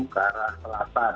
ke arah selatan